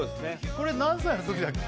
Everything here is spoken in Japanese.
これ何歳の時だっけ？